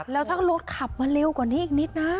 แล้วถ้ารถขับมาเร็วกว่านี้อีกนิดนะ